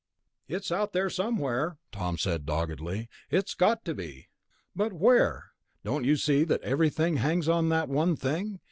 "It's out there somewhere," Tom said doggedly. "It's got to be." "But where? Don't you see that everything hangs on that one thing?